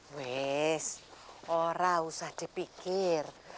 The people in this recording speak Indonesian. wis orang usah dipikir